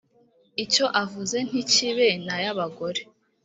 icyo avuze ntikibe ni ay’abagore